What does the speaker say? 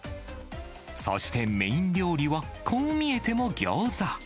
そしてメイン料理は、こう見えてもギョーザ。